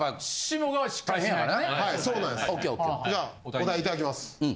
じゃあお題いただきます。